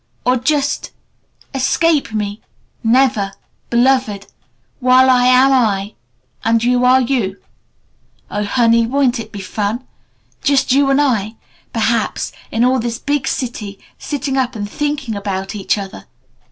_' "or just 'Escape me? Never, Beloved! While I am I, and you are you!' "Oh, Honey! Won't it be fun? Just you and I, perhaps, in all this Big City, sitting up and thinking about each other.